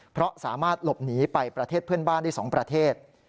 เพราะสามารถหลบหนีไปประเทศเพื่อนบ้านได้๒ประเทศ